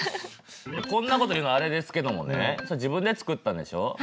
こんなこと言うのあれですけどもね自分で作ったんでしょ？